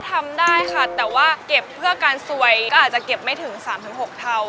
ทำได้ค่ะแต่ว่าเก็บเพื่อการซวยก็อาจจะเก็บไม่ถึง๓๖เท่า